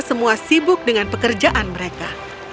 semua sibuk dengan pekerjaan mereka